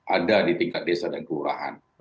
ada di tingkat desa dan kelurahan